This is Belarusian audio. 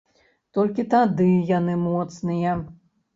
Толькі тады яны моцныя.